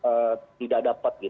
itu tidak dapat gitu